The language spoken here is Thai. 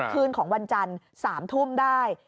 คืนของวันจันทร์๓ทุ่มได้